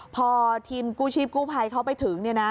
พอทีมกู้ชีพกู้ภัยเขาไปถึง